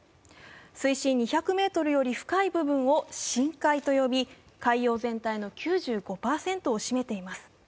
水深２００ｍより深い部分を深海と呼び海洋全体の９５％を占めています。